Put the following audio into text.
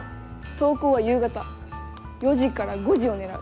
投稿は夕方４時から５時を狙う。